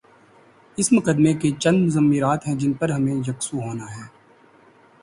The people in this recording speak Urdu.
اس مقدمے کے چند مضمرات ہیں جن پر ہمیں یک سو ہونا ہے۔